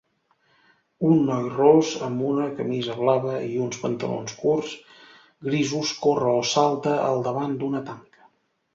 un noi ros amb una camisa blava i uns pantalons curts grisos corre o salta al davant d'una tanca